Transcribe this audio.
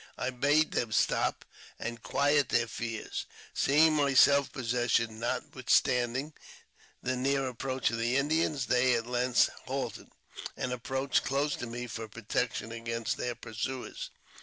I bade them stop, and quiet their fears. Seeing my self possession, notwithstanding the near approach of the Indians, they at length halted, and approached close to me for protection against their pursuers.